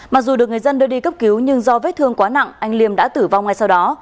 mặc dù được người dân đưa đi cấp cứu nhưng do vết thương quá nặng anh liêm đã tử vong ngay sau đó